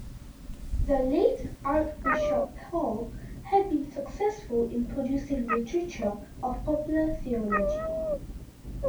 The late Archbishop Paul had been successful in producing literature of popular theology.